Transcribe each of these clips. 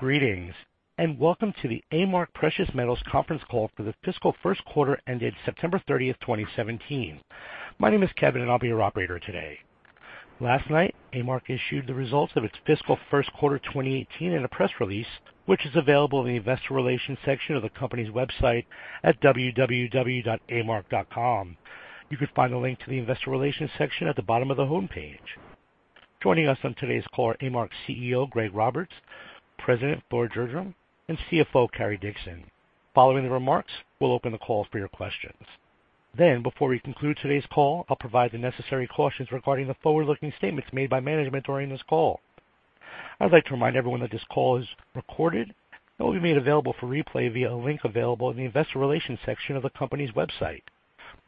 Greetings, and welcome to the A-Mark Precious Metals conference call for the fiscal first quarter ended September 30th, 2017. My name is Kevin, and I will be your operator today. Last night, A-Mark issued the results of its fiscal first quarter 2018 in a press release, which is available in the investor relations section of the company's website at www.amark.com. You can find the link to the investor relations section at the bottom of the homepage. Joining us on today's call are A-Mark CEO Gregory Roberts, President Thor Gjerdrum, and CFO Cary Dickson. Following the remarks, we will open the call for your questions. Before we conclude today's call, I will provide the necessary cautions regarding the forward-looking statements made by management during this call. I would like to remind everyone that this call is recorded and will be made available for replay via a link available in the investor relations section of the company's website.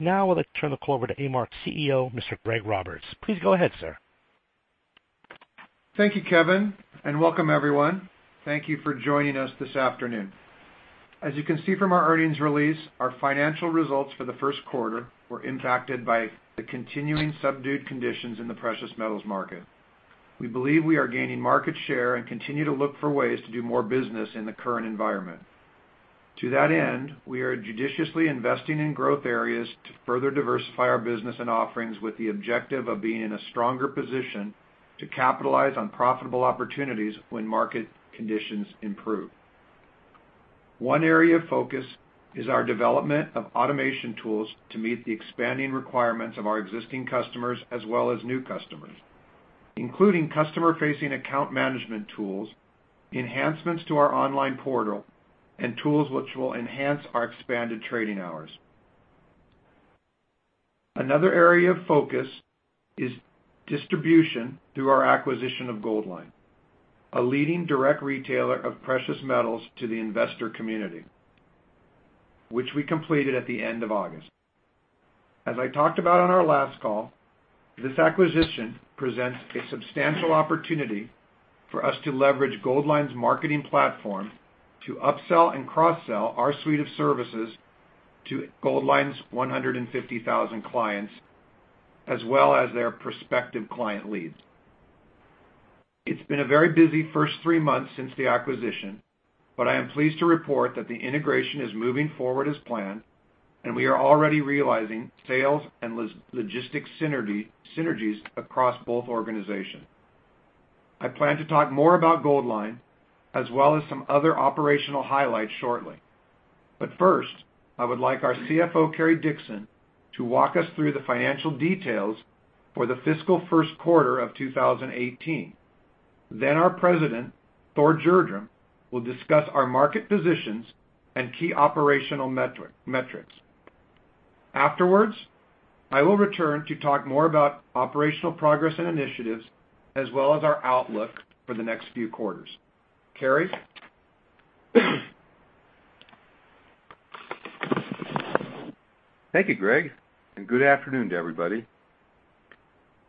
I would like to turn the call over to A-Mark's CEO, Mr. Gregory Roberts. Please go ahead, sir. Thank you, Kevin, and welcome everyone. Thank you for joining us this afternoon. As you can see from our earnings release, our financial results for the first quarter were impacted by the continuing subdued conditions in the precious metals market. We believe we are gaining market share and continue to look for ways to do more business in the current environment. To that end, we are judiciously investing in growth areas to further diversify our business and offerings with the objective of being in a stronger position to capitalize on profitable opportunities when market conditions improve. One area of focus is our development of automation tools to meet the expanding requirements of our existing customers as well as new customers, including customer-facing account management tools, enhancements to our online portal, and tools which will enhance our expanded trading hours. Another area of focus is distribution through our acquisition of Goldline, a leading direct retailer of precious metals to the investor community, which we completed at the end of August. As I talked about on our last call, this acquisition presents a substantial opportunity for us to leverage Goldline's marketing platform to upsell and cross-sell our suite of services to Goldline's 150,000 clients, as well as their prospective client leads. It has been a very busy first three months since the acquisition, I am pleased to report that the integration is moving forward as planned, and we are already realizing sales and logistics synergies across both organizations. I plan to talk more about Goldline as well as some other operational highlights shortly. First, I would like our CFO, Cary Dickson, to walk us through the financial details for the fiscal first quarter of 2018. Our president, Thor Gjerdrum, will discuss our market positions and key operational metrics. Afterwards, I will return to talk more about operational progress and initiatives as well as our outlook for the next few quarters. Cary? Thank you, Greg, and good afternoon to everybody.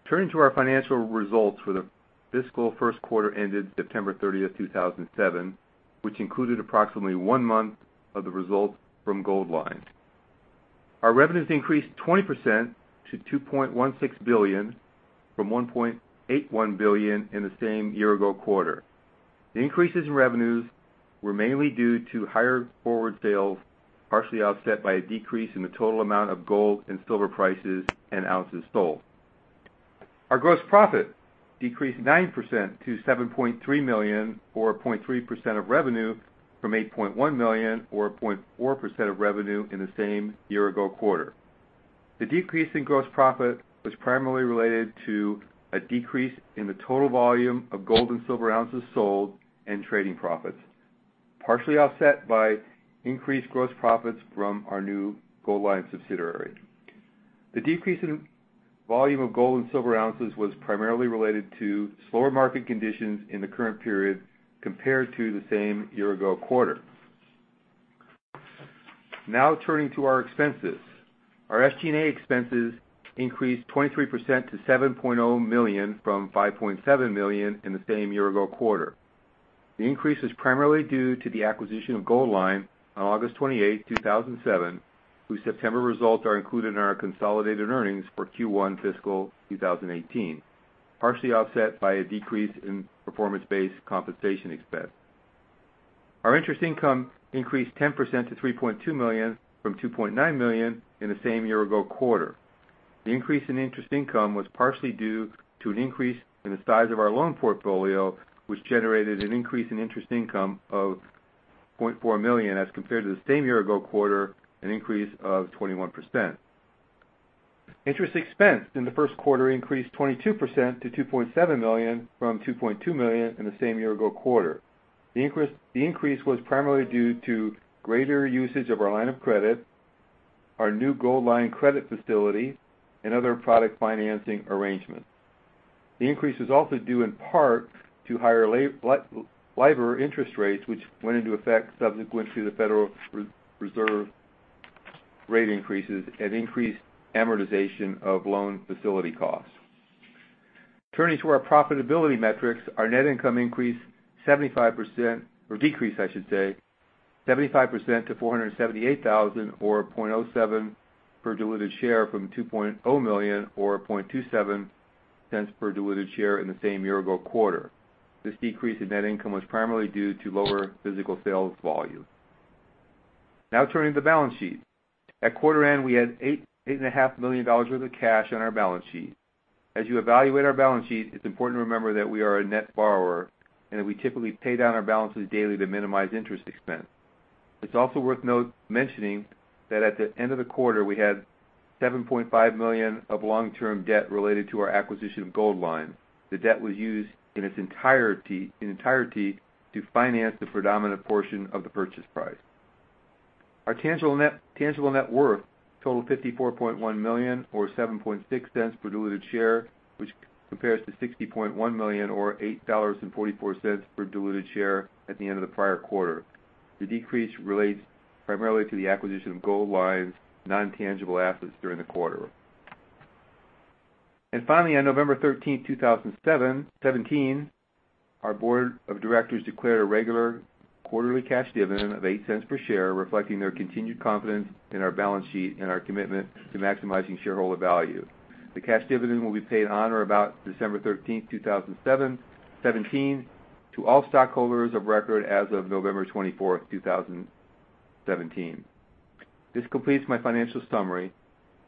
Turning to our financial results for the fiscal first quarter ended September 30th, 2017, which included approximately one month of the results from Goldline. Our revenues increased 20% to $2.16 billion from $1.81 billion in the same year-ago quarter. The increases in revenues were mainly due to higher forward sales, partially offset by a decrease in the total amount of gold and silver prices and ounces sold. Our gross profit decreased 9% to $7.3 million, or 0.3% of revenue, from $8.1 million, or 0.4% of revenue, in the same year-ago quarter. The decrease in gross profit was primarily related to a decrease in the total volume of gold and silver ounces sold and trading profits, partially offset by increased gross profits from our new Goldline subsidiary. The decrease in volume of gold and silver ounces was primarily related to slower market conditions in the current period compared to the same year-ago quarter. Now turning to our expenses. Our SG&A expenses increased 23% to $7.0 million from $5.7 million in the same year-ago quarter. The increase is primarily due to the acquisition of Goldline on August 28th, 2017, whose September results are included in our consolidated earnings for Q1 fiscal 2018, partially offset by a decrease in performance-based compensation expense. Our interest income increased 10% to $3.2 million from $2.9 million in the same year-ago quarter. The increase in interest income was partially due to an increase in the size of our loan portfolio, which generated an increase in interest income of $0.4 million as compared to the same year-ago quarter, an increase of 21%. Interest expense in the first quarter increased 22% to $2.7 million from $2.2 million in the same year-ago quarter. The increase was primarily due to greater usage of our line of credit, our new Goldline credit facility, and other product financing arrangements. The increase is also due in part to higher LIBOR interest rates, which went into effect subsequent to the Federal Reserve rate increases and increased amortization of loan facility costs. Turning to our profitability metrics, our net income increased 75% or decreased, I should say, 75% to $478,000 or $0.07 per diluted share from $2.0 million or $0.27 per diluted share in the same year-ago quarter. This decrease in net income was primarily due to lower physical sales volume. Now turning to the balance sheet. At quarter end, we had $8.5 million worth of cash on our balance sheet. As you evaluate our balance sheet, it's important to remember that we are a net borrower and that we typically pay down our balances daily to minimize interest expense. It's also worth mentioning that at the end of the quarter, we had $7.5 million of long-term debt related to our acquisition of Goldline. The debt was used in its entirety to finance the predominant portion of the purchase price. Our tangible net worth totaled $54.1 million or $0.076 per diluted share, which compares to $60.1 million or $8.44 per diluted share at the end of the prior quarter. The decrease relates primarily to the acquisition of Goldline's non-tangible assets during the quarter. Finally, on November 13, 2017, our board of directors declared a regular quarterly cash dividend of $0.08 per share, reflecting their continued confidence in our balance sheet and our commitment to maximizing shareholder value. The cash dividend will be paid on or about December 13, 2017, to all stockholders of record as of November 24, 2017. This completes my financial summary.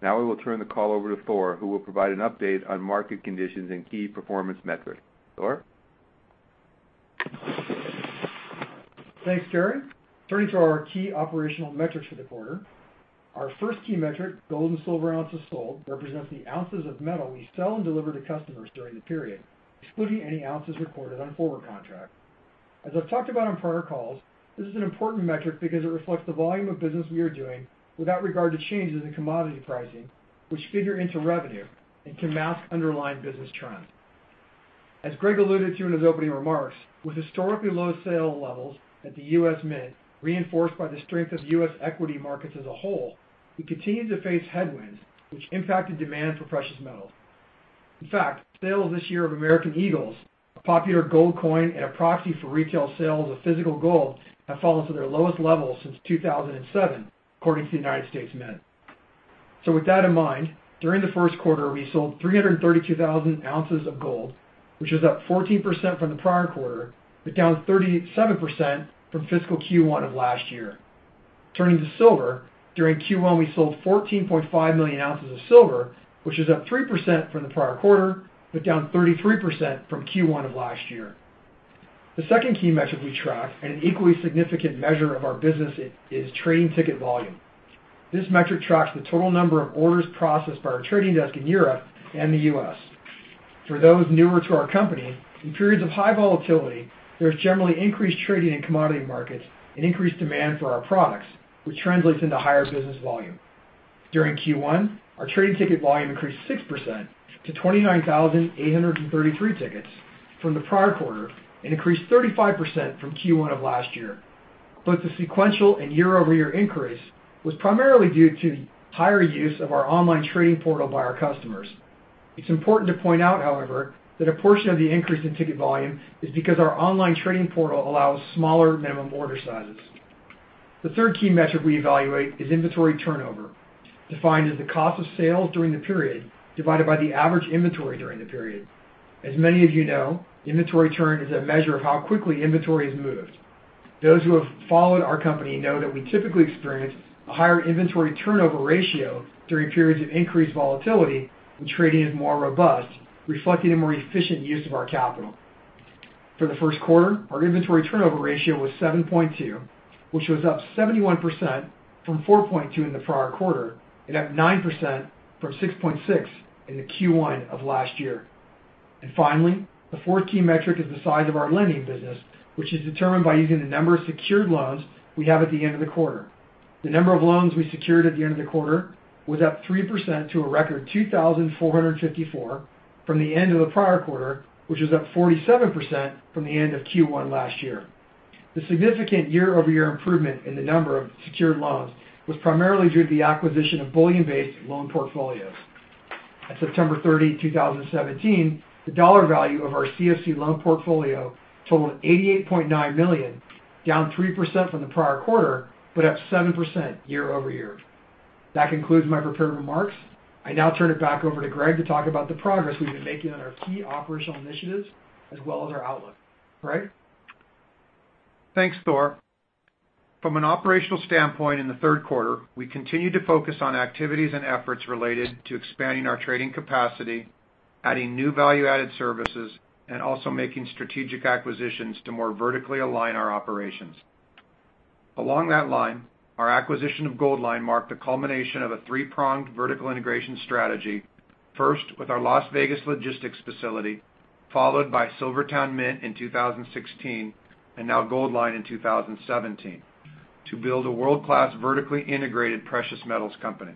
Now I will turn the call over to Thor, who will provide an update on market conditions and key performance metrics. Thor? Thanks, Cary. Turning to our key operational metrics for the quarter. Our first key metric, gold and silver ounces sold, represents the ounces of metal we sell and deliver to customers during the period, excluding any ounces recorded on forward contracts. As I've talked about on prior calls, this is an important metric because it reflects the volume of business we are doing without regard to changes in commodity pricing, which figure into revenue and can mask underlying business trends. As Greg alluded to in his opening remarks, with historically low sales levels at the U.S. Mint, reinforced by the strength of U.S. equity markets as a whole, we continue to face headwinds which impacted demand for precious metals. In fact, sales this year of American Eagle, a popular gold coin and a proxy for retail sales of physical gold, have fallen to their lowest levels since 2007, according to the United States Mint. With that in mind, during the first quarter, we sold 332,000 ounces of gold, which is up 14% from the prior quarter, but down 37% from fiscal Q1 of last year. Turning to silver, during Q1, we sold 14.5 million ounces of silver, which is up 3% from the prior quarter, but down 33% from Q1 of last year. The second key metric we track and an equally significant measure of our business is trading ticket volume. This metric tracks the total number of orders processed by our trading desk in Europe and the U.S. For those newer to our company, in periods of high volatility, there's generally increased trading in commodity markets and increased demand for our products, which translates into higher business volume. During Q1, our trading ticket volume increased 6% to 29,833 tickets from the prior quarter and increased 35% from Q1 of last year. Both the sequential and year-over-year increase was primarily due to the higher use of our online trading portal by our customers. It's important to point out, however, that a portion of the increase in ticket volume is because our online trading portal allows smaller minimum order sizes. The third key metric we evaluate is inventory turnover, defined as the cost of sales during the period divided by the average inventory during the period. As many of you know, inventory turn is a measure of how quickly inventory is moved. Those who have followed our company know that we typically experience a higher inventory turnover ratio during periods of increased volatility when trading is more robust, reflecting a more efficient use of our capital. For the first quarter, our inventory turnover ratio was 7.2, which was up 71% from 4.2 in the prior quarter and up 9% from 6.6 in the Q1 of last year. Finally, the fourth key metric is the size of our lending business, which is determined by using the number of secured loans we have at the end of the quarter. The number of loans we secured at the end of the quarter was up 3% to a record 2,454 from the end of the prior quarter, which is up 47% from the end of Q1 last year. The significant year-over-year improvement in the number of secured loans was primarily due to the acquisition of bullion-based loan portfolios. At September 30, 2017, the dollar value of our CFC loan portfolio totaled $88.9 million, down 3% from the prior quarter, but up 7% year-over-year. That concludes my prepared remarks. I now turn it back over to Greg to talk about the progress we've been making on our key operational initiatives as well as our outlook. Greg? Thanks, Thor. From an operational standpoint in the third quarter, we continued to focus on activities and efforts related to expanding our trading capacity, adding new value-added services, and also making strategic acquisitions to more vertically align our operations. Along that line, our acquisition of Goldline marked the culmination of a three-pronged vertical integration strategy, first with our Las Vegas logistics facility, followed by SilverTowne Mint in 2016, and now Goldline in 2017, to build a world-class vertically integrated precious metals company.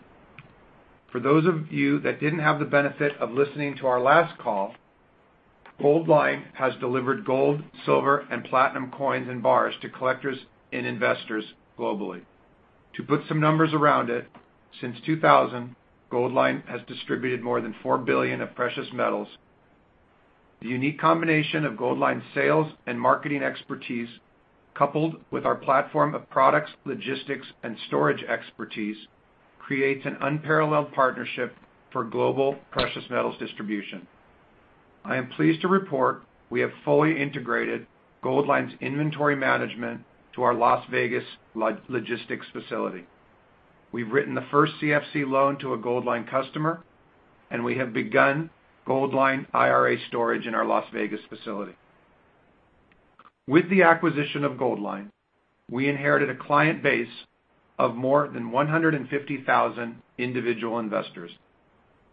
For those of you that didn't have the benefit of listening to our last call, Goldline has delivered gold, silver, and platinum coins and bars to collectors and investors globally. To put some numbers around it, since 2000, Goldline has distributed more than $4 billion of precious metals The unique combination of Goldline's sales and marketing expertise, coupled with our platform of products, logistics, and storage expertise, creates an unparalleled partnership for global precious metals distribution. I am pleased to report we have fully integrated Goldline's inventory management to our Las Vegas logistics facility. We've written the first CFC loan to a Goldline customer, and we have begun Goldline IRA storage in our Las Vegas facility. With the acquisition of Goldline, we inherited a client base of more than 150,000 individual investors,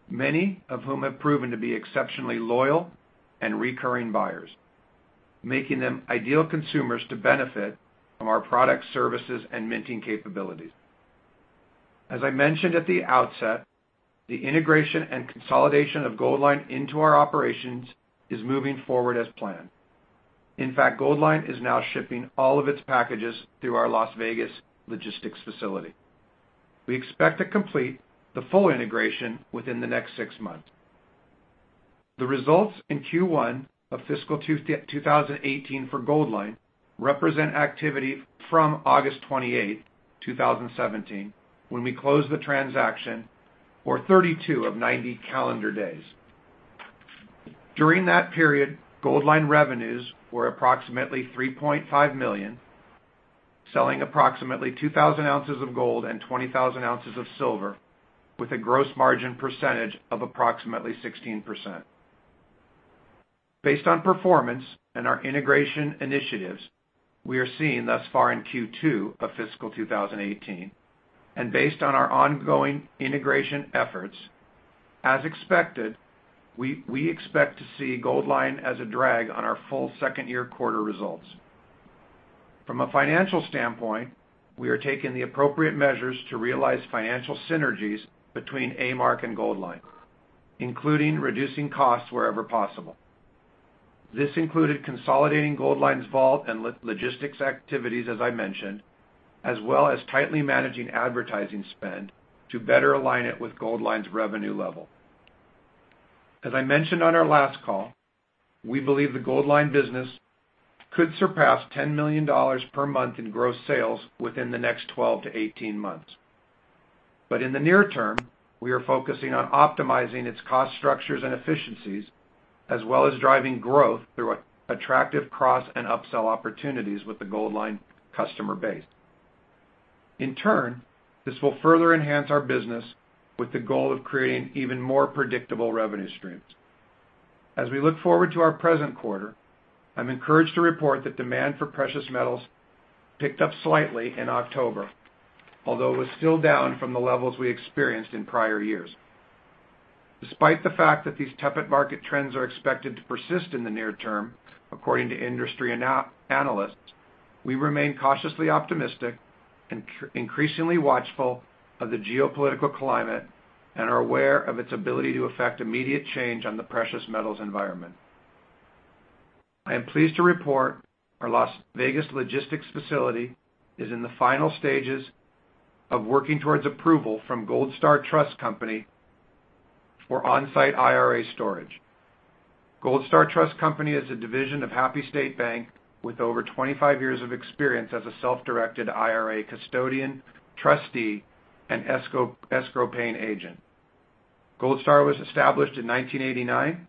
many of whom have proven to be exceptionally loyal and recurring buyers, making them ideal consumers to benefit from our product services and minting capabilities. As I mentioned at the outset, the integration and consolidation of Goldline into our operations is moving forward as planned. In fact, Goldline is now shipping all of its packages through our Las Vegas logistics facility. We expect to complete the full integration within the next six months. The results in Q1 of fiscal 2018 for Goldline represent activity from August 28, 2017, when we closed the transaction or 32 of 90 calendar days. During that period, Goldline revenues were approximately $3.5 million, selling approximately 2,000 ounces of gold and 20,000 ounces of silver with a gross margin percentage of approximately 16%. Based on performance and our integration initiatives, we are seeing thus far in Q2 of fiscal 2018, and based on our ongoing integration efforts, as expected, we expect to see Goldline as a drag on our full second quarter results. From a financial standpoint, we are taking the appropriate measures to realize financial synergies between A-Mark and Goldline, including reducing costs wherever possible. This included consolidating Goldline's vault and logistics activities, as I mentioned, as well as tightly managing advertising spend to better align it with Goldline's revenue level. As I mentioned on our last call, we believe the Goldline business could surpass $10 million per month in gross sales within the next 12-18 months. In the near term, we are focusing on optimizing its cost structures and efficiencies, as well as driving growth through attractive cross and upsell opportunities with the Goldline customer base. In turn, this will further enhance our business with the goal of creating even more predictable revenue streams. As we look forward to our present quarter, I'm encouraged to report that demand for precious metals picked up slightly in October, although it was still down from the levels we experienced in prior years. Despite the fact that these tepid market trends are expected to persist in the near term, according to industry analysts, we remain cautiously optimistic and increasingly watchful of the geopolitical climate and are aware of its ability to affect immediate change on the precious metals environment. I am pleased to report our Las Vegas logistics facility is in the final stages of working towards approval from GoldStar Trust Company for on-site IRA storage. GoldStar Trust Company is a division of Happy State Bank with over 25 years of experience as a self-directed IRA custodian, trustee, and escrow paying agent. GoldStar was established in 1989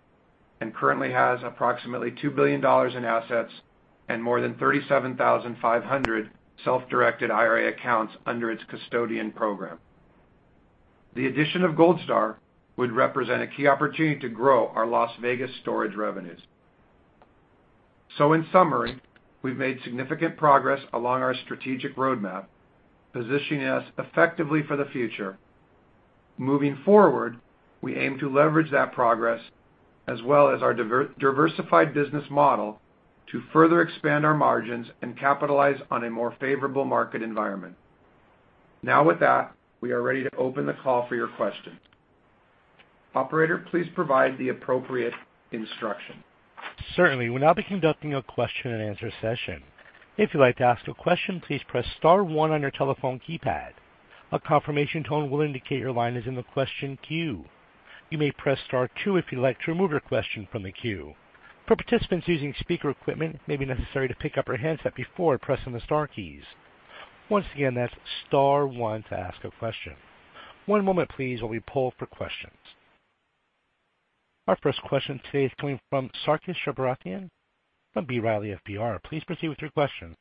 and currently has approximately $2 billion in assets and more than 37,500 self-directed IRA accounts under its custodian program. The addition of GoldStar would represent a key opportunity to grow our Las Vegas storage revenues. In summary, we've made significant progress along our strategic roadmap, positioning us effectively for the future. Moving forward, we aim to leverage that progress as well as our diversified business model to further expand our margins and capitalize on a more favorable market environment. With that, we are ready to open the call for your questions. Operator, please provide the appropriate instruction. Certainly. We'll now be conducting a question and answer session. If you'd like to ask a question, please press star one on your telephone keypad. A confirmation tone will indicate your line is in the question queue. You may press star two if you'd like to remove your question from the queue. For participants using speaker equipment, it may be necessary to pick up your handset before pressing the star keys. Once again, that's star one to ask a question. One moment please while we poll for questions. Our first question today is coming from Sarkis Sherbetchyan from B. Riley FBR. Please proceed with your question.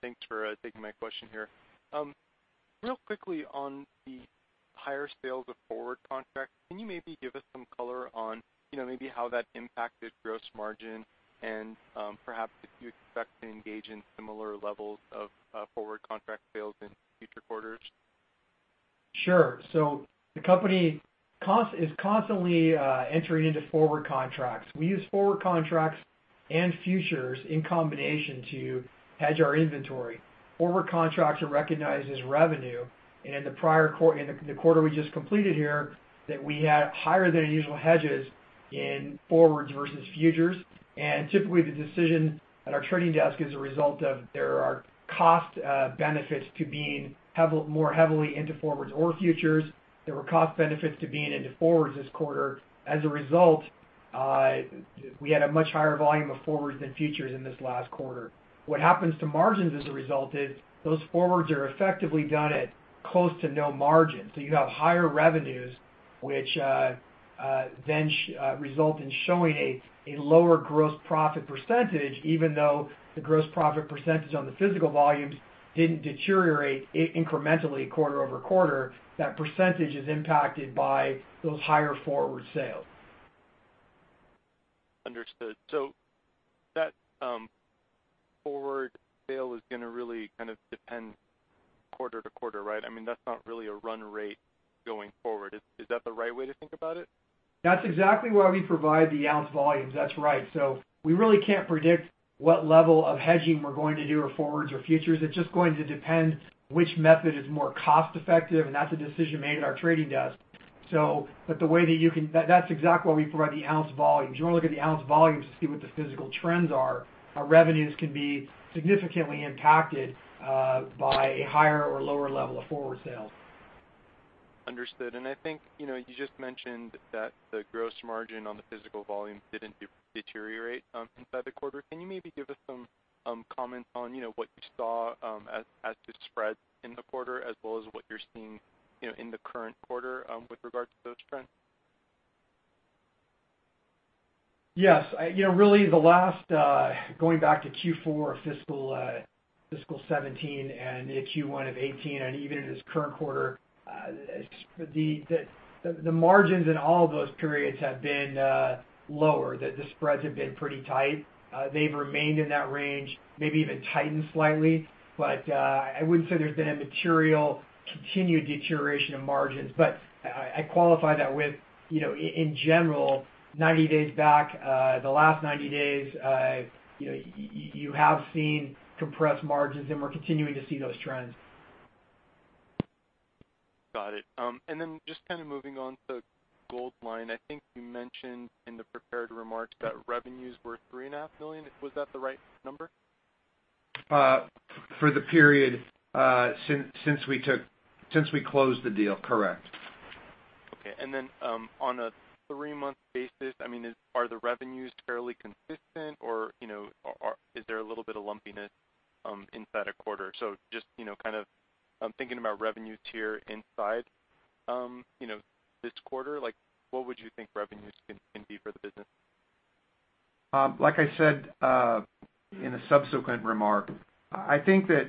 Thanks for taking my question here. Real quickly on the higher sales of forward contracts, can you maybe give us some color on maybe how that impacted gross margin and perhaps if you expect to engage in similar levels of forward contract sales in future quarters? Sure. The company is constantly entering into forward contracts. We use forward contracts and futures in combination to hedge our inventory. Forward contracts are recognized as revenue, and in the quarter we just completed here, that we had higher than usual hedges in forwards versus futures. Typically, the decision at our trading desk is a result of there are cost benefits to being more heavily into forwards or futures. There were cost benefits to being into forwards this quarter. We had a much higher volume of forwards than futures in this last quarter. What happens to margins as a result is those forwards are effectively done at close to no margin. You have higher revenues, which then result in showing a lower gross profit %, even though the gross profit % on the physical volumes didn't deteriorate incrementally quarter-over-quarter. That % is impacted by those higher forward sales. Understood. That forward sale is going to really kind of depend quarter-to-quarter, right? That's not really a run rate going forward. Is that the right way to think about it? That's exactly why we provide the ounce volumes. That's right. We really can't predict what level of hedging we're going to do or forwards or futures. It's just going to depend which method is more cost effective, and that's a decision made at our trading desk. That's exactly why we provide the ounce volumes. You want to look at the ounce volumes to see what the physical trends are. Our revenues can be significantly impacted by a higher or lower level of forward sales. Understood. I think, you just mentioned that the gross margin on the physical volume didn't deteriorate inside the quarter. Can you maybe give us some comments on what you saw as to spreads in the quarter as well as what you're seeing in the current quarter with regard to those trends? Yes. Really the last, going back to Q4 of fiscal 2017 and Q1 of 2018, and even in this current quarter, the margins in all of those periods have been lower. The spreads have been pretty tight. They've remained in that range, maybe even tightened slightly. I wouldn't say there's been a material continued deterioration of margins. I qualify that with, in general, 90 days back, the last 90 days, you have seen compressed margins, and we're continuing to see those trends. Got it. Just kind of moving on to Goldline, I think you mentioned in the prepared remarks that revenues were $three and a half million. Was that the right number? For the period since we closed the deal, correct. Okay. On a three-month basis, are the revenues fairly consistent or is there a little bit of lumpiness inside a quarter? Just kind of thinking about revenues here inside this quarter, what would you think revenues can be for the business? Like I said, in a subsequent remark, I think that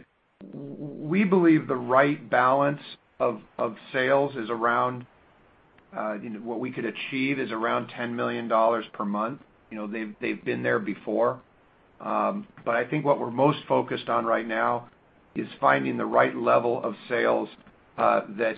we believe the right balance of sales is around, what we could achieve is around $10 million per month. They've been there before. What we're most focused on right now is finding the right level of sales that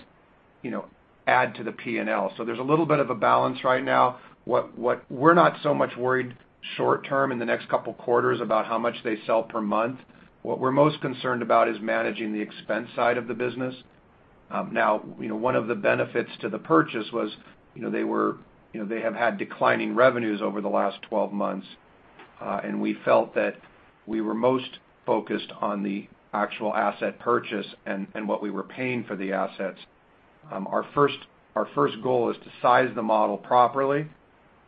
add to the P&L. There's a little bit of a balance right now. We're not so much worried short term in the next couple quarters about how much they sell per month. What we're most concerned about is managing the expense side of the business. One of the benefits to the purchase was they have had declining revenues over the last 12 months, and we felt that we were most focused on the actual asset purchase and what we were paying for the assets. Our first goal is to size the model properly,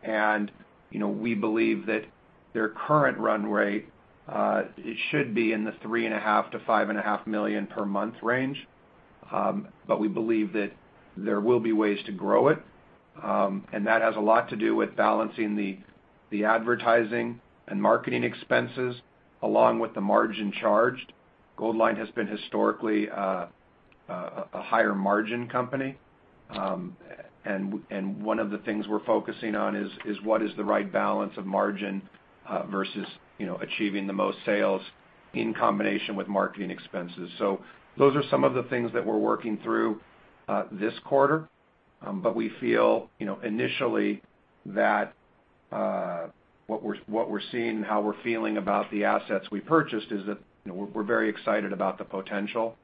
and we believe that their current run rate should be in the three and a half to five and a half million per month range. We believe that there will be ways to grow it, and that has a lot to do with balancing the advertising and marketing expenses along with the margin charged. Goldline has been historically a higher margin company. One of the things we're focusing on is what is the right balance of margin versus achieving the most sales in combination with marketing expenses. Those are some of the things that we're working through this quarter. We feel initially that what we're seeing and how we're feeling about the assets we purchased is that we're very excited about the potential.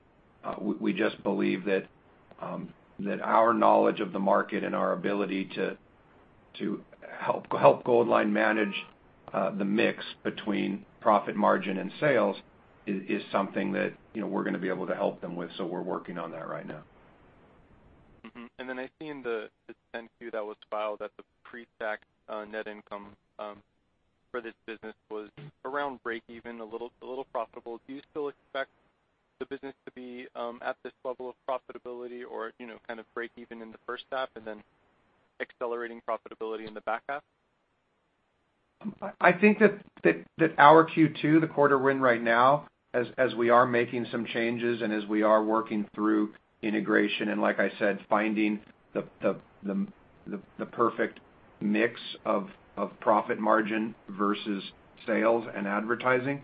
We just believe that our knowledge of the market and our ability to help Goldline manage the mix between profit margin and sales is something that we're going to be able to help them with. We're working on that right now. Mm-hmm. I see in the 10-Q that was filed that the pre-tax net income for this business was around breakeven, a little profitable. Do you still expect the business to be at this level of profitability or kind of breakeven in the first half and then accelerating profitability in the back half? I think that our Q2, the quarter we're in right now, as we are making some changes and as we are working through integration and like I said, finding the perfect mix of profit margin versus sales and advertising,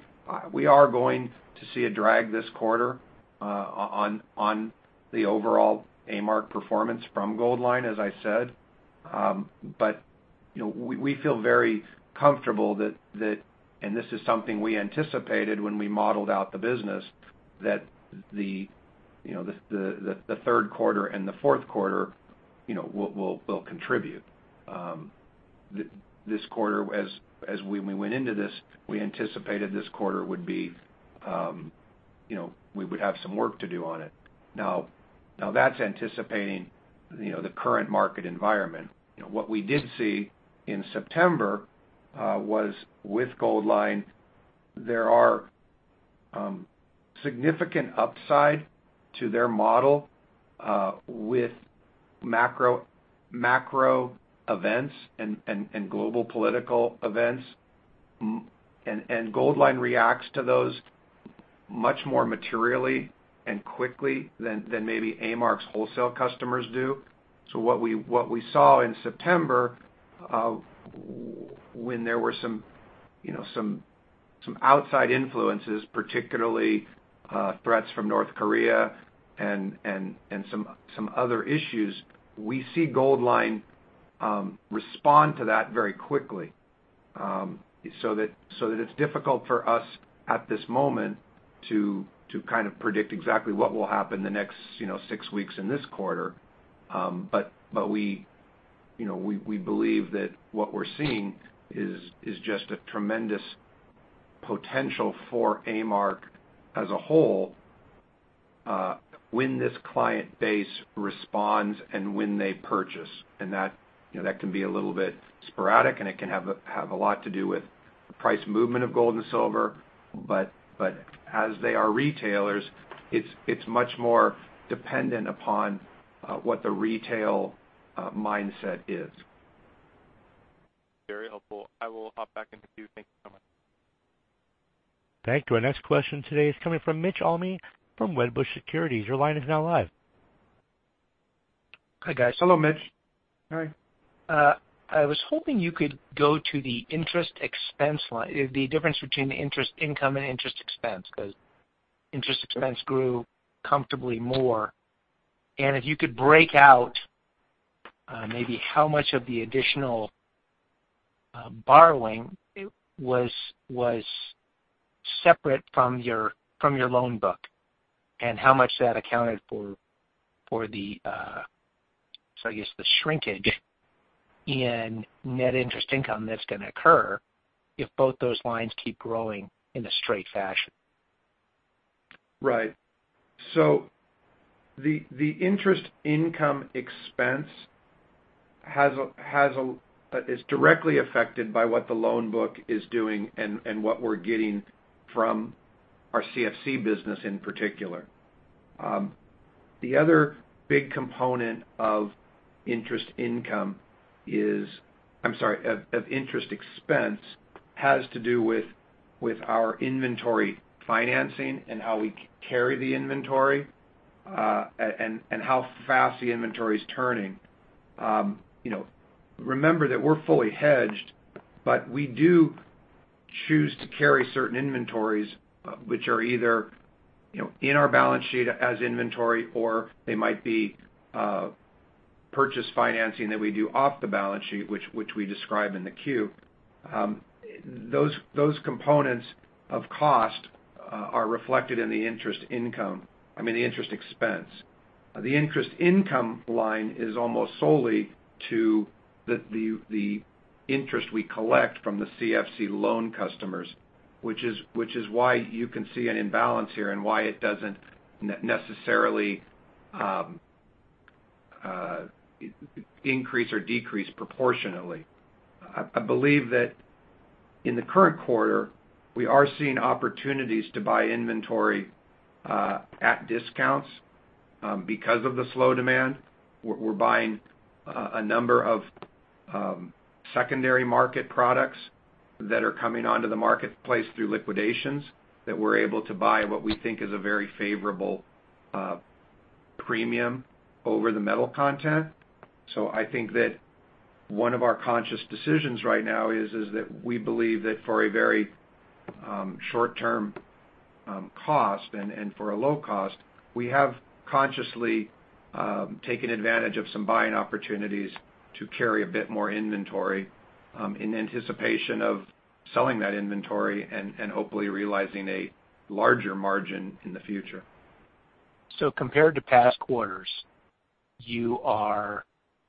we are going to see a drag this quarter on the overall A-Mark performance from Goldline, as I said. We feel very comfortable that, and this is something we anticipated when we modeled out the business, that the third quarter and the fourth quarter will contribute. This quarter, as when we went into this, We would have some work to do on it. That's anticipating the current market environment. We did see in September was with Goldline, there are significant upside to their model with macro events and global political events. Goldline reacts to those much more materially and quickly than maybe A-Mark's wholesale customers do. What we saw in September when there were some outside influences, particularly threats from North Korea and some other issues, we see Goldline respond to that very quickly. That it's difficult for us at this moment to kind of predict exactly what will happen the next six weeks in this quarter. We believe that what we're seeing is just a tremendous potential for A-Mark as a whole when this client base responds and when they purchase, and that can be a little bit sporadic, and it can have a lot to do with the price movement of gold and silver. As they are retailers, it's much more dependent upon what the retail mindset is. Very helpful. I will hop back in the queue. Thank you so much. Thank you. Our next question today is coming from Mitch Almy from Wedbush Securities. Your line is now live. Hi, guys. Hello, Mitch. Hi. I was hoping you could go to the interest expense line, the difference between interest income and interest expense, because interest expense grew comfortably more. If you could break out maybe how much of the additional borrowing was separate from your loan book and how much that accounted for so I guess, the shrinkage in net interest income that's going to occur if both those lines keep growing in a straight fashion. Right. The interest income expense is directly affected by what the loan book is doing and what we're getting from our CFC business in particular. The other big component of interest expense has to do with our inventory financing and how we carry the inventory, and how fast the inventory is turning. Remember that we're fully hedged, but we do choose to carry certain inventories, which are either in our balance sheet as inventory, or they might be purchase financing that we do off the balance sheet, which we describe in the Q. Those components of cost are reflected in the interest income, I mean, the interest expense. The interest income line is almost solely to the interest we collect from the CFC loan customers, which is why you can see an imbalance here and why it doesn't necessarily increase or decrease proportionately. I believe that in the current quarter, we are seeing opportunities to buy inventory at discounts because of the slow demand. We're buying a number of secondary market products that are coming onto the marketplace through liquidations that we're able to buy at what we think is a very favorable premium over the metal content. I think that one of our conscious decisions right now is that we believe that for a very short-term cost and for a low cost, we have consciously taken advantage of some buying opportunities to carry a bit more inventory in anticipation of selling that inventory and hopefully realizing a larger margin in the future. Compared to past quarters,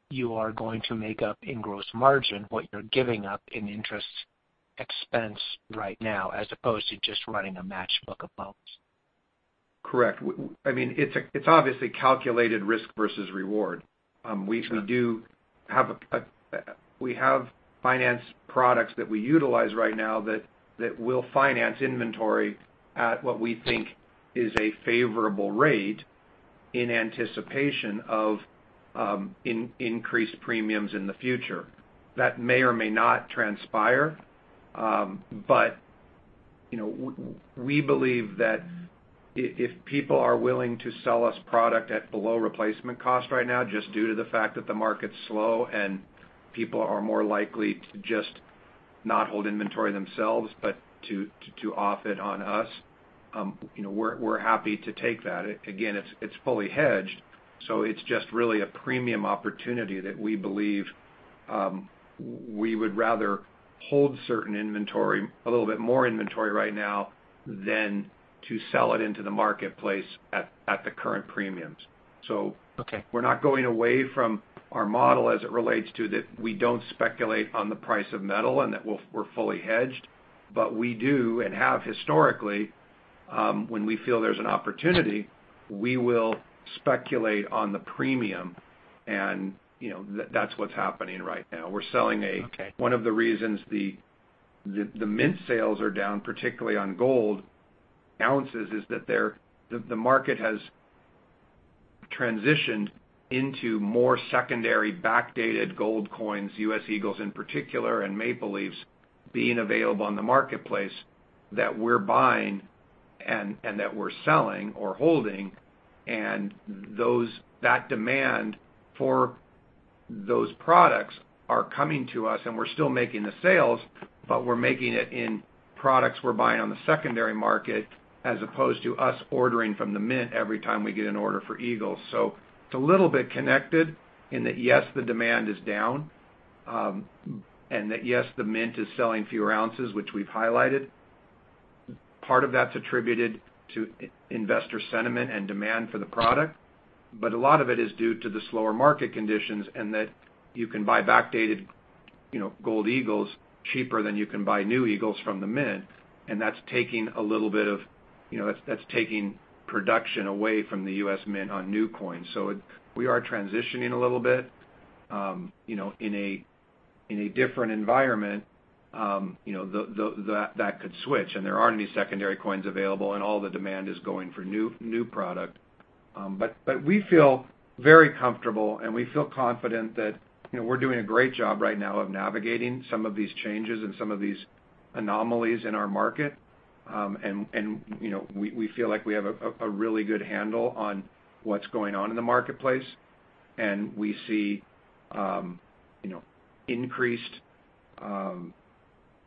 you are going to make up in gross margin what you're giving up in interest expense right now as opposed to just running a match book of loans. Correct. It's obviously calculated risk versus reward. Sure. We have finance products that we utilize right now that will finance inventory at what we think is a favorable rate in anticipation of increased premiums in the future. That may or may not transpire. We believe that if people are willing to sell us product at below replacement cost right now, just due to the fact that the market's slow and people are more likely to just not hold inventory themselves, but to off it on us, we're happy to take that. Again, it's fully hedged, so it's just really a premium opportunity that we believe we would rather hold certain inventory, a little bit more inventory right now than to sell it into the marketplace at the current premiums. Okay. We're not going away from our model as it relates to that we don't speculate on the price of metal and that we're fully hedged. We do and have historically. When we feel there's an opportunity, we will speculate on the premium, and that's what's happening right now. Okay. One of the reasons the Mint sales are down, particularly on gold ounces, is that the market has transitioned into more secondary backdated gold coins, U.S. Eagles in particular, and Maple Leafs being available on the marketplace that we're buying and that we're selling or holding. That demand for those products are coming to us, and we're still making the sales, but we're making it in products we're buying on the secondary market as opposed to us ordering from the Mint every time we get an order for Eagles. It's a little bit connected in that, yes, the demand is down, and that, yes, the Mint is selling fewer ounces, which we've highlighted. Part of that's attributed to investor sentiment and demand for the product. A lot of it is due to the slower market conditions, and that you can buy backdated Gold Eagles cheaper than you can buy new Eagles from the Mint, and that's taking production away from the U.S. Mint on new coins. We are transitioning a little bit. In a different environment that could switch, and there aren't any secondary coins available, and all the demand is going for new product. We feel very comfortable, and we feel confident that we're doing a great job right now of navigating some of these changes and some of these anomalies in our market. We feel like we have a really good handle on what's going on in the marketplace, and we see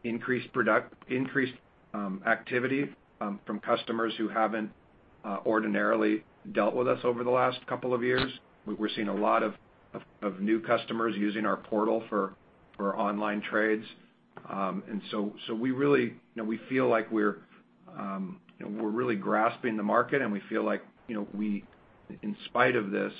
increased activity from customers who haven't ordinarily dealt with us over the last couple of years. We're seeing a lot of new customers using our portal for online trades. We feel like we're really grasping the market, and we feel like in spite of this,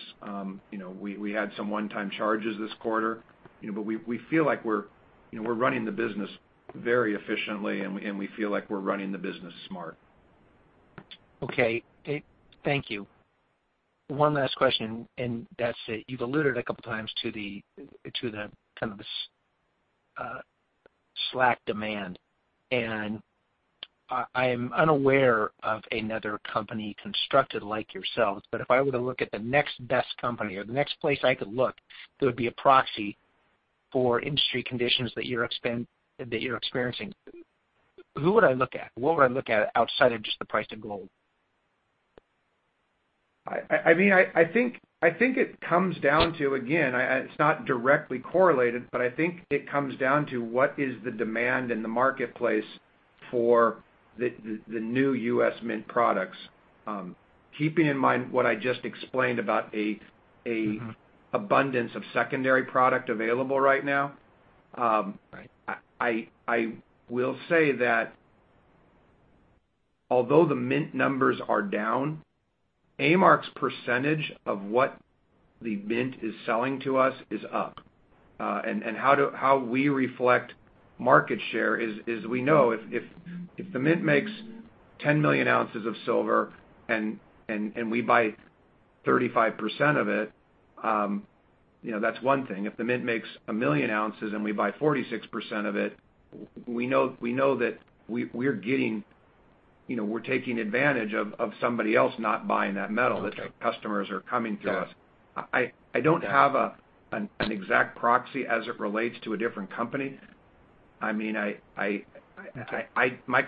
we had some one-time charges this quarter. We feel like we're running the business very efficiently, and we feel like we're running the business smart. Okay. Thank you. One last question, and that's it. You've alluded a couple times to the kind of slack demand, and I am unaware of another company constructed like yourselves, but if I were to look at the next best company or the next place I could look that would be a proxy for industry conditions that you're experiencing, who would I look at? What would I look at outside of just the price of gold? I think it comes down to, again, it's not directly correlated, but I think it comes down to what is the demand in the marketplace for the new U.S. Mint products. Keeping in mind what I just explained about a- abundance of secondary product available right now- Right I will say that although the U.S. Mint numbers are down, A-Mark's percentage of what the U.S. Mint is selling to us is up. How we reflect market share is we know if the U.S. Mint makes 10 million ounces of silver and we buy 35% of it, that's one thing. If the U.S. Mint makes 1 million ounces and we buy 46% of it, we know that we're taking advantage of somebody else not buying that metal. Okay that customers are coming to us. Got it. I don't have an exact proxy as it relates to a different company. My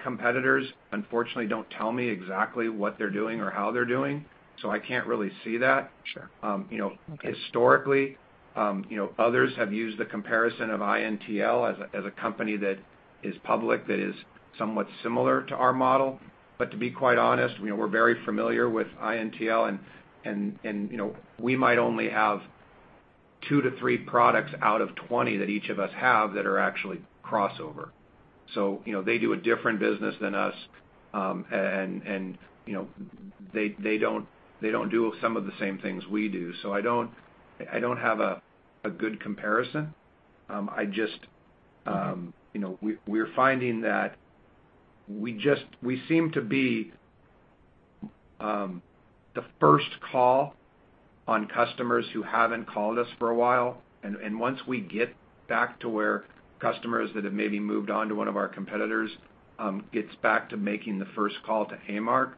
competitors unfortunately don't tell me exactly what they're doing or how they're doing, so I can't really see that. Sure. Okay. Historically others have used the comparison of INTL as a company that is public, that is somewhat similar to our model. To be quite honest, we're very familiar with INTL, and we might only have two to three products out of 20 that each of us have that are actually crossover. They do a different business than us, and they don't do some of the same things we do. I don't have a good comparison. We're finding that we seem to be the first call on customers who haven't called us for a while. Once we get back to where customers that have maybe moved on to one of our competitors gets back to making the first call to A-Mark,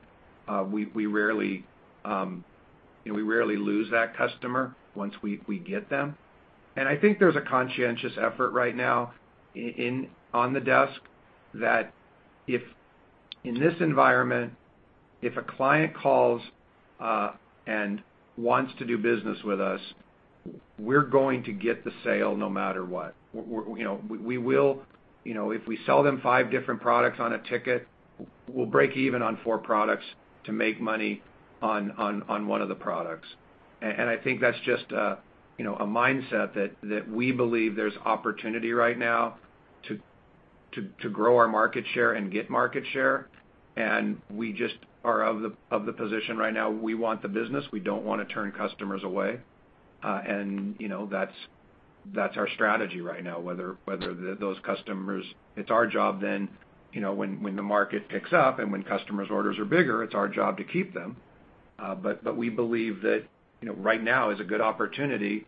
we rarely lose that customer once we get them. I think there's a conscientious effort right now on the desk that if in this environment, if a client calls and wants to do business with us, we're going to get the sale no matter what. If we sell them five different products on a ticket, we'll break even on four products to make money on one of the products. I think that's just a mindset that we believe there's opportunity right now to grow our market share and get market share, and we just are of the position right now we want the business. We don't want to turn customers away. That's our strategy right now. It's our job then, when the market picks up and when customers' orders are bigger, it's our job to keep them. We believe that right now is a good opportunity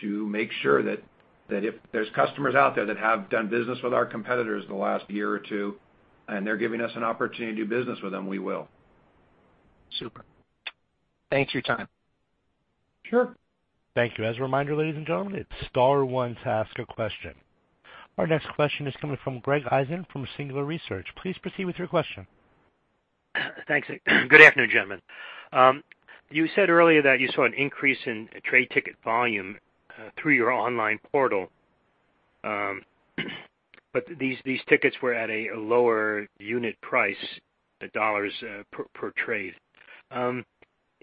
to make sure that if there's customers out there that have done business with our competitors in the last year or two, and they're giving us an opportunity to do business with them, we will. Super. Thanks for your time. Sure. Thank you. As a reminder, ladies and gentlemen, it's star one to ask a question. Our next question is coming from Greg Eisen from Singular Research. Please proceed with your question. Thanks. Good afternoon, gentlemen. You said earlier that you saw an increase in trade ticket volume through your online portal, but these tickets were at a lower unit price, the $ per trade.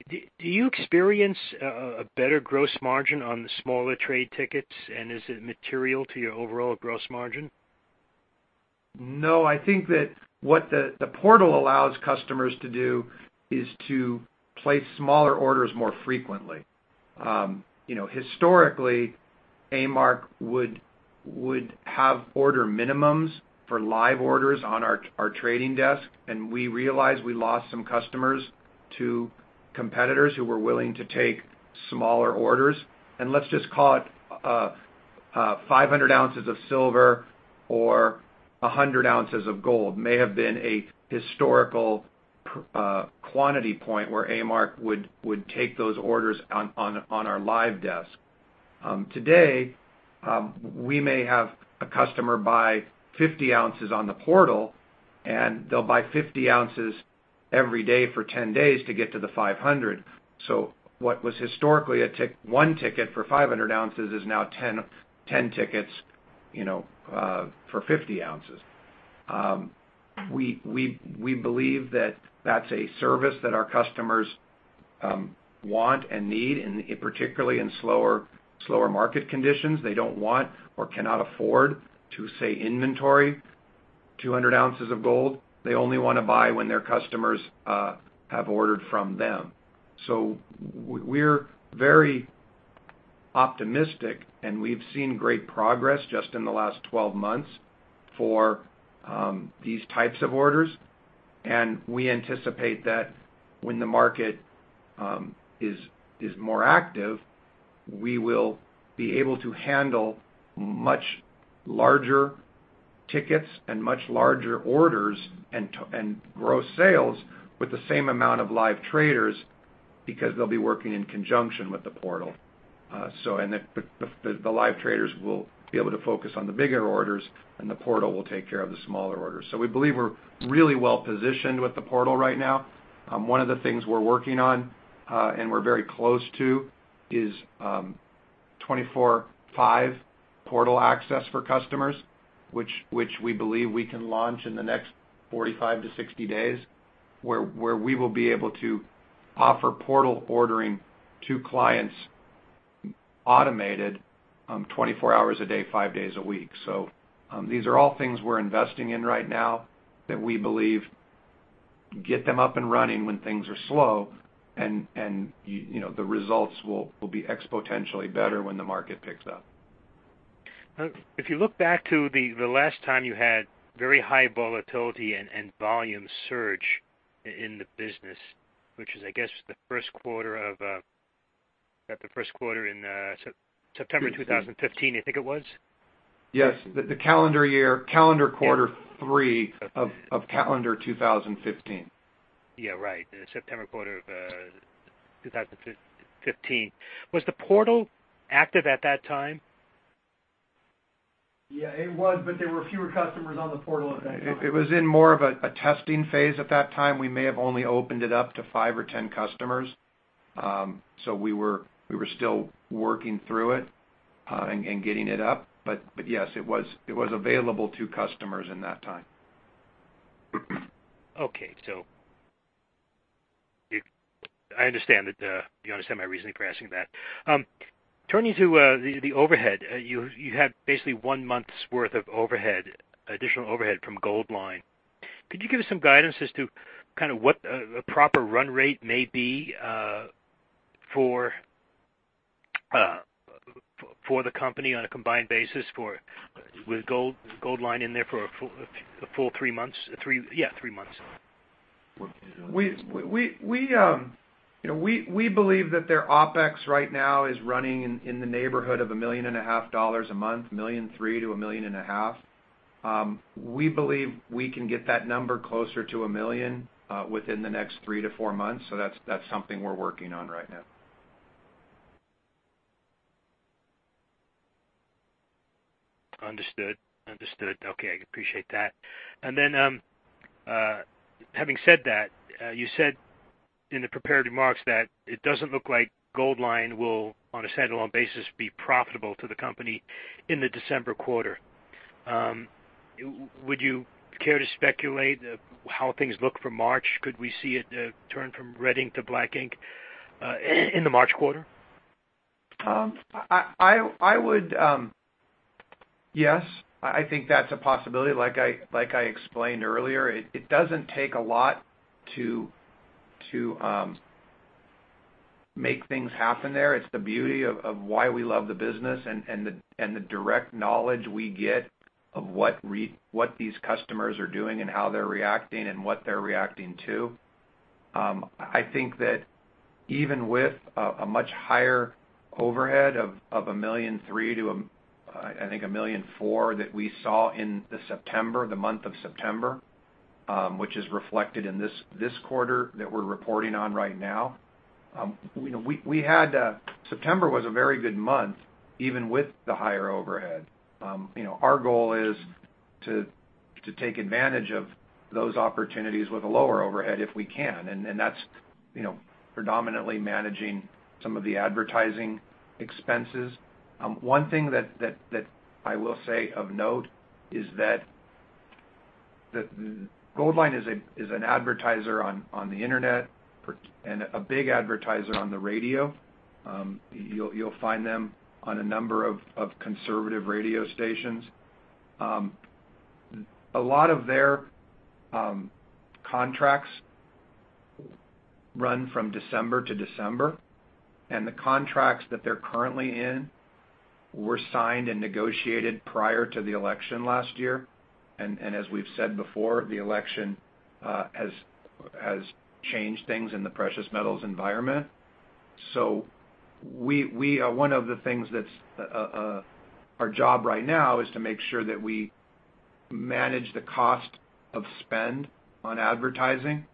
Do you experience a better gross margin on the smaller trade tickets? Is it material to your overall gross margin? No, I think that what the portal allows customers to do is to place smaller orders more frequently. Historically, A-Mark would have order minimums for live orders on our trading desk, we realized we lost some customers to competitors who were willing to take smaller orders. Let's just call it 500 ounces of silver or 100 ounces of gold may have been a historical quantity point where A-Mark would take those orders on our live desk. Today, we may have a customer buy 50 ounces on the portal, they'll buy 50 ounces every day for 10 days to get to the 500. What was historically one ticket for 500 ounces is now 10 tickets for 50 ounces. We believe that that's a service that our customers want and need, particularly in slower market conditions. They don't want or cannot afford to, say, inventory 200 ounces of gold. They only want to buy when their customers have ordered from them. We're very optimistic, we've seen great progress just in the last 12 months for these types of orders. We anticipate that when the market is more active, we will be able to handle much larger tickets and much larger orders and gross sales with the same amount of live traders because they'll be working in conjunction with the portal. The live traders will be able to focus on the bigger orders, and the portal will take care of the smaller orders. We believe we're really well-positioned with the portal right now. One of the things we're working on, we're very close to, is 24/5 portal access for customers, which we believe we can launch in the next 45 to 60 days, where we will be able to offer portal ordering to clients, automated, 24 hours a day, five days a week. These are all things we're investing in right now that we believe get them up and running when things are slow, and the results will be exponentially better when the market picks up. If you look back to the last time you had very high volatility and volume surge in the business, which is, I guess, the first quarter in September 2015, I think it was? Yes. The calendar quarter 3 of calendar 2015. Yeah, right. The September quarter of 2015. Was the portal active at that time? Yeah, it was, there were fewer customers on the portal at that time. It was in more of a testing phase at that time. We may have only opened it up to five or 10 customers. We were still working through it and getting it up. Yes, it was available to customers in that time. Okay. I understand that. You understand my reasoning for asking that. Turning to the overhead, you had basically one month's worth of additional overhead from Goldline. Could you give us some guidance as to kind of what a proper run rate may be for the company on a combined basis with Goldline in there for a full three months? We believe that their OpEx right now is running in the neighborhood of $1.5 million a month, $1.3 million to $1.5 million. We believe we can get that number closer to $1 million within the next three to four months. That's something we're working on right now. Understood. Okay. I appreciate that. Then, having said that, you said in the prepared remarks that it doesn't look like Goldline will, on a standalone basis, be profitable to the company in the December quarter. Would you care to speculate how things look for March? Could we see it turn from red ink to black ink in the March quarter? Yes. I think that's a possibility. Like I explained earlier, it doesn't take a lot to make things happen there. It's the beauty of why we love the business and the direct knowledge we get of what these customers are doing and how they're reacting and what they're reacting to. I think that even with a much higher overhead of $1.3 million to, I think, $1.4 million that we saw in the month of September, which is reflected in this quarter that we're reporting on right now. September was a very good month, even with the higher overhead. Our goal is to take advantage of those opportunities with a lower overhead if we can. That's predominantly managing some of the advertising expenses. One thing that I will say of note is that Goldline is an advertiser on the internet, and a big advertiser on the radio. You'll find them on a number of conservative radio stations. A lot of their contracts run from December to December. The contracts that they're currently in were signed and negotiated prior to the election last year. As we've said before, the election has changed things in the precious metals environment. One of the things that's our job right now is to make sure that we manage the cost of spend on advertising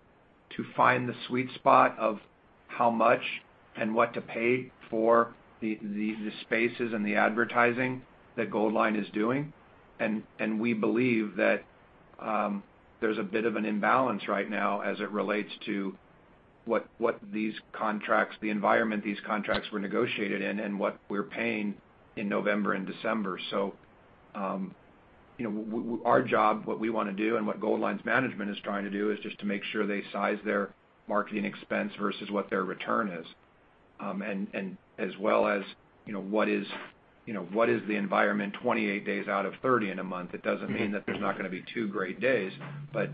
to find the sweet spot of how much and what to pay for the spaces and the advertising that Goldline is doing. We believe that there's a bit of an imbalance right now as it relates to the environment these contracts were negotiated in and what we're paying in November and December. Our job, what we want to do and what Goldline's management is trying to do is just to make sure they size their marketing expense versus what their return is. As well as what is the environment 28 days out of 30 in a month? It doesn't mean that there's not going to be two great days, but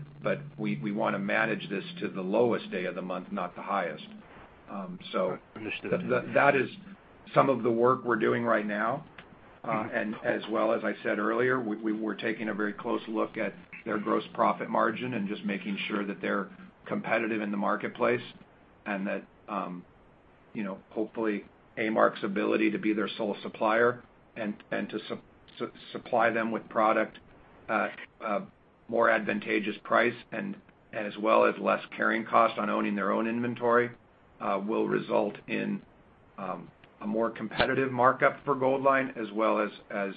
we want to manage this to the lowest day of the month, not the highest. Understood. That is some of the work we're doing right now. As well, as I said earlier, we're taking a very close look at their gross profit margin and just making sure that they're competitive in the marketplace, and that hopefully A-Mark's ability to be their sole supplier and to supply them with product at a more advantageous price, as well as less carrying cost on owning their own inventory will result in a more competitive markup for Goldline, as well as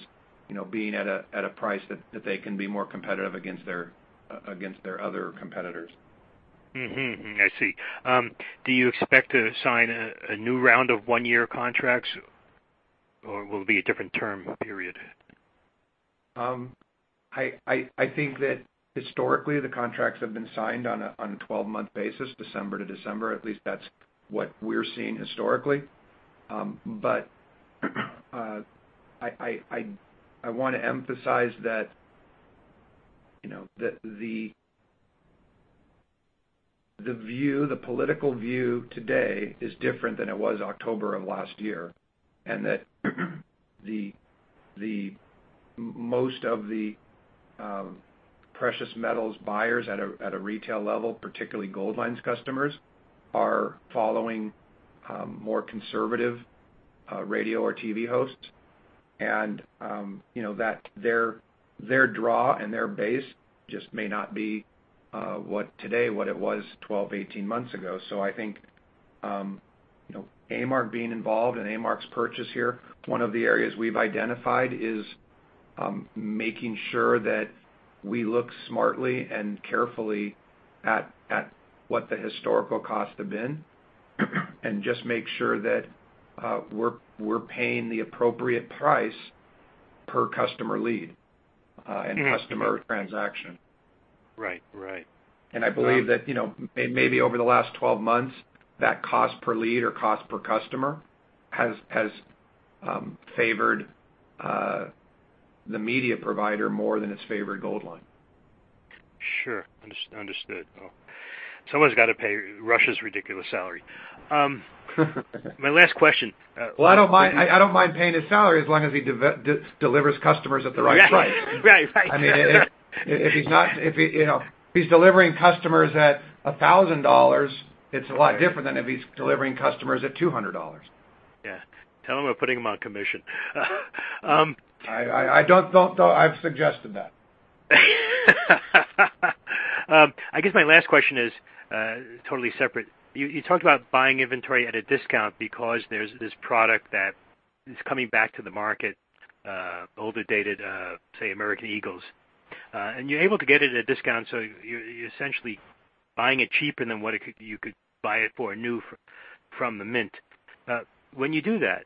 being at a price that they can be more competitive against their other competitors. Mm-hmm. I see. Do you expect to sign a new round of one-year contracts, or will it be a different term period? I think that historically, the contracts have been signed on a 12-month basis, December to December. At least that's what we're seeing historically. I want to emphasize that the political view today is different than it was October of last year, and that most of the precious metals buyers at a retail level, particularly Goldline's customers, are following more conservative radio or TV hosts. Their draw and their base just may not be today what it was 12, 18 months ago. I think A-Mark being involved and A-Mark's purchase here, one of the areas we've identified is making sure that we look smartly and carefully at what the historical costs have been, and just make sure that we're paying the appropriate price per customer lead and customer transaction. Right. I believe that maybe over the last 12 months, that cost per lead or cost per customer has favored the media provider more than it's favored Goldline. Sure. Understood. Someone's got to pay Rush's ridiculous salary. My last question- Well, I don't mind paying his salary as long as he delivers customers at the right price. Right. If he's delivering customers at $1,000, it's a lot different than if he's delivering customers at $200. Yeah. Tell him we're putting him on commission. I've suggested that. I guess my last question is totally separate. You talked about buying inventory at a discount because there's this product that is coming back to the market, older dated, say, American Eagle. You're able to get it at a discount, so you're essentially buying it cheaper than what you could buy it for new from the Mint. When you do that,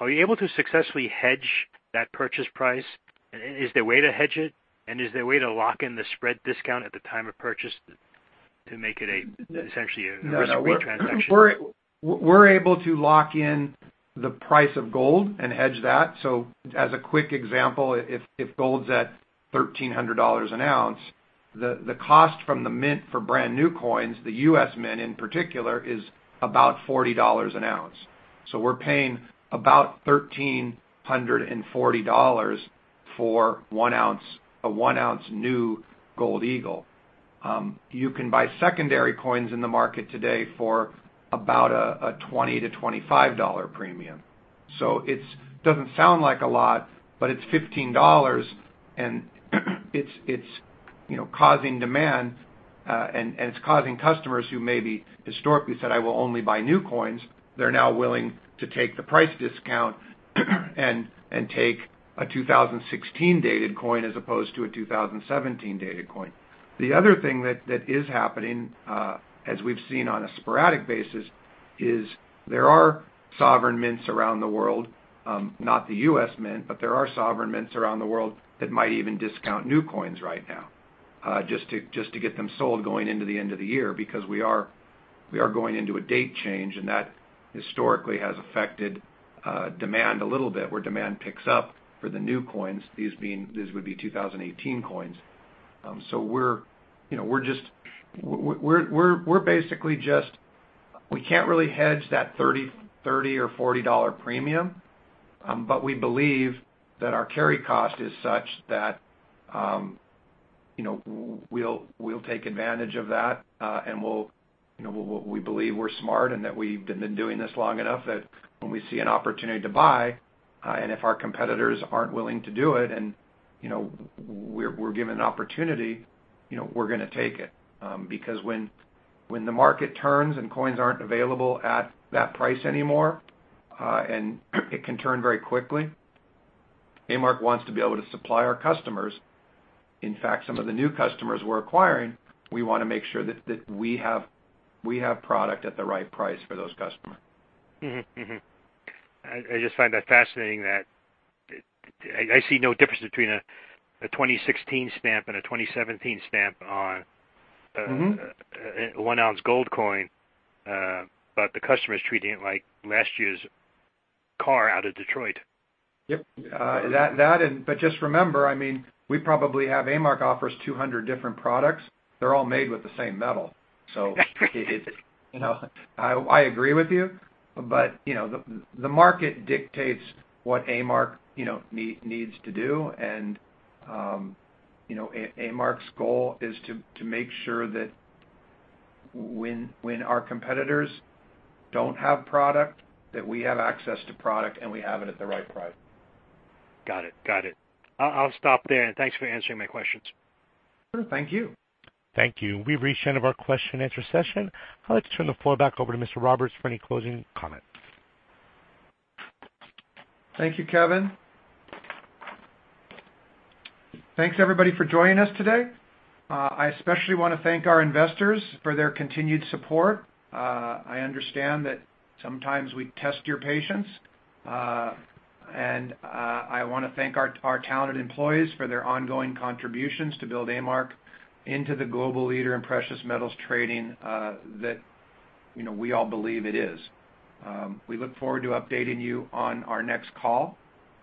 are you able to successfully hedge that purchase price? Is there a way to hedge it, and is there a way to lock in the spread discount at the time of purchase? To make it essentially a risk-free transaction. We're able to lock in the price of gold and hedge that. As a quick example, if gold's at $1,300 an ounce, the cost from the Mint for brand-new coins, the U.S. Mint in particular, is about $40 an ounce. We're paying about $1,340 for a 1 ounce new Gold Eagle. You can buy secondary coins in the market today for about a $20-$25 premium. It doesn't sound like a lot, but it's $15 and it's causing demand, and it's causing customers who maybe historically said, "I will only buy new coins," they're now willing to take the price discount and take a 2016-dated coin as opposed to a 2017-dated coin. The other thing that is happening, as we've seen on a sporadic basis, is there are sovereign mints around the world, not the U.S. Mint, but there are sovereign mints around the world that might even discount new coins right now, just to get them sold going into the end of the year because we are going into a date change, and that historically has affected demand a little bit, where demand picks up for the new coins, these would be 2018 coins. We're basically We can't really hedge that $30 or $40 premium, but we believe that our carry cost is such that we'll take advantage of that, and we believe we're smart and that we've been doing this long enough that when we see an opportunity to buy, and if our competitors aren't willing to do it, and we're given an opportunity, we're going to take it. When the market turns and coins aren't available at that price anymore, and it can turn very quickly, A-Mark wants to be able to supply our customers. In fact, some of the new customers we're acquiring, we want to make sure that we have product at the right price for those customers. I just find that fascinating that I see no difference between a 2016 stamp and a 2017 stamp. a one-ounce gold coin, but the customer's treating it like last year's car out of Detroit. Yep. Just remember, we probably have A-Mark offers 200 different products. They're all made with the same metal. I agree with you, but the market dictates what A-Mark needs to do, and A-Mark's goal is to make sure that when our competitors don't have product, that we have access to product, and we have it at the right price. Got it. I'll stop there, and thanks for answering my questions. Thank you. Thank you. We've reached the end of our question and answer session. I'd like to turn the floor back over to Mr. Roberts for any closing comments. Thank you, Kevin. Thanks everybody for joining us today. I especially want to thank our investors for their continued support. I understand that sometimes we test your patience. I want to thank our talented employees for their ongoing contributions to build A-Mark into the global leader in precious metals trading that we all believe it is. We look forward to updating you on our next call.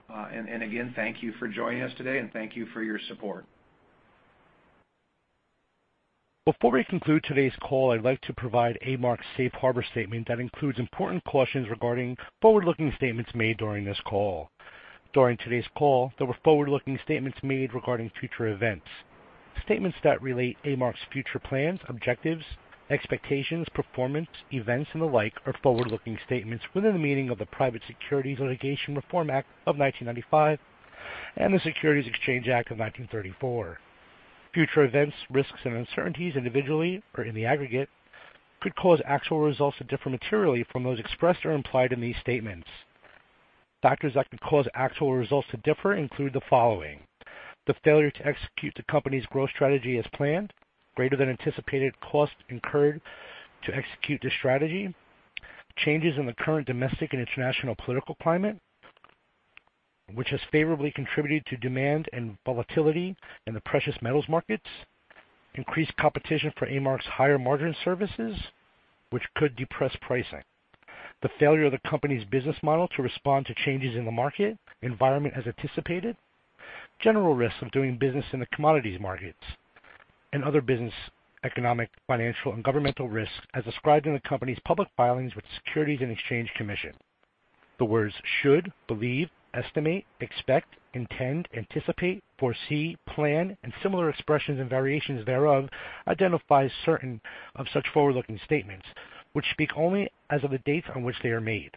Again, thank you for joining us today, and thank you for your support. Before we conclude today's call, I'd like to provide A-Mark's Safe Harbor statement that includes important cautions regarding forward-looking statements made during this call. During today's call, there were forward-looking statements made regarding future events. Statements that relate A-Mark's future plans, objectives, expectations, performance, events, and the like are forward-looking statements within the meaning of the Private Securities Litigation Reform Act of 1995 and the Securities Exchange Act of 1934. Future events, risks, and uncertainties, individually or in the aggregate, could cause actual results to differ materially from those expressed or implied in these statements. Factors that could cause actual results to differ include the following. The failure to execute the company's growth strategy as planned, greater than anticipated costs incurred to execute the strategy, changes in the current domestic and international political climate, which has favorably contributed to demand and volatility in the precious metals markets, increased competition for A-Mark's higher margin services, which could depress pricing. The failure of the company's business model to respond to changes in the market environment as anticipated, general risks of doing business in the commodities markets, and other business, economic, financial, and governmental risks as described in the company's public filings with the Securities and Exchange Commission. The words should, believe, estimate, expect, intend, anticipate, foresee, plan, and similar expressions and variations thereof identifies certain of such forward-looking statements, which speak only as of the dates on which they are made.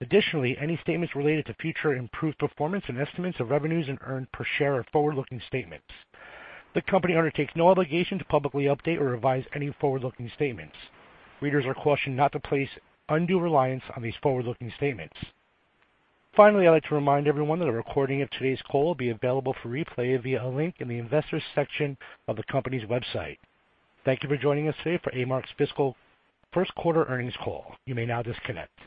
Additionally, any statements related to future improved performance and estimates of revenues and earnings per share are forward-looking statements. The company undertakes no obligation to publicly update or revise any forward-looking statements. Readers are cautioned not to place undue reliance on these forward-looking statements. Finally, I'd like to remind everyone that a recording of today's call will be available for replay via a link in the Investors section of the company's website. Thank you for joining us today for A-Mark's Fiscal First Quarter Earnings Call. You may now disconnect.